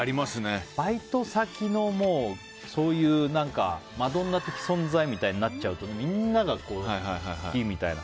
バイト先のマドンナ的存在みたいになっちゃうとみんなが好きみたいな。